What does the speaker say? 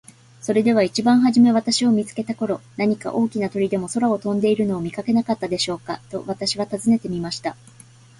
「それでは一番はじめ私を見つけた頃、何か大きな鳥でも空を飛んでいるのを見かけなかったでしょうか。」と私は尋ねてみました。